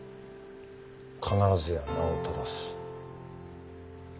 「必ずや名を正す」。